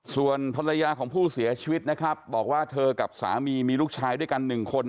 ส่วนภรรยาของผู้เสียชีวิตนะครับบอกว่าเธอกับสามีมีลูกชายด้วยกัน๑คน